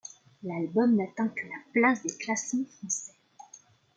L'album n'atteint que la place des classements français.